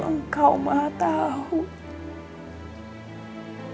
engkau maha mengetahui semuanya